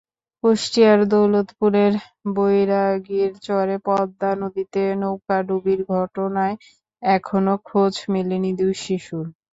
কুষ্টিয়ার দৌলতপুরের বৈরাগীর চরে পদ্মা নদীতে নৌকাডুবির ঘটনায় এখনো খোঁজ মেলেনি দুই শিশুর।